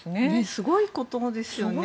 すごいことですよね。